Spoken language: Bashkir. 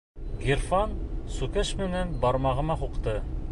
Ғирфан сүкеш менән бармағыма һуҡты.